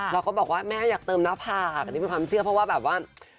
เราก็บอกว่าแม่อยากเติมหน้าผากอันนี้เป็นความเชื่อเพราะว่าแบบว่า